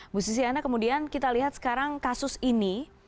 bu susiana kemudian kita lihat sekarang kasus ini